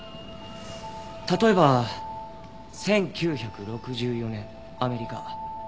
例えば１９６４年アメリカ。